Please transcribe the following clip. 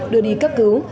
đưa đi cấp cứu